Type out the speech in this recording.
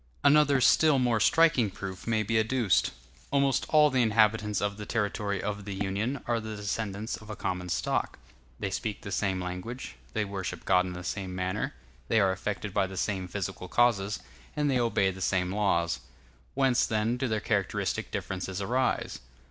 Another still more striking proof may be adduced. Almost all the inhabitants of the territory of the Union are the descendants of a common stock; they speak the same language, they worship God in the same manner, they are affected by the same physical causes, and they obey the same laws. Whence, then, do their characteristic differences arise?